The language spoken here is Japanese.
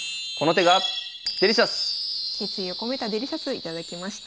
決意を込めたデリシャス頂きました。